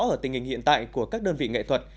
ở tình hình hiện tại của các đơn vị nghệ thuật